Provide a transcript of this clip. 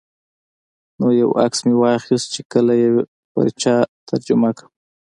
نو یو عکس مې واخیست چې کله یې پر چا ترجمه کړم.